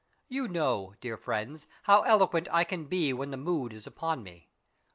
You know, dear friends, how elo quent I can be when the mood is upon me.